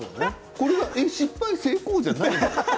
これは失敗と成功ではないのよ。